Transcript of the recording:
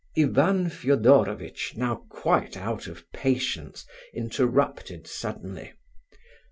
Ivan Fedorovitch, now quite out of patience, interrupted suddenly.